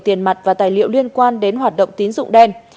tiền mặt và tài liệu liên quan đến hoạt động tín dụng đen